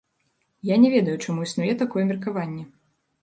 Я не ведаю, чаму існуе такое меркаванне.